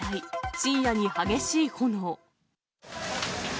深夜に激しい炎。